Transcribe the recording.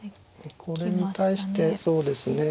これに対してそうですね。